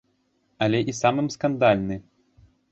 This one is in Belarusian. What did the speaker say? Але і самым скандальны.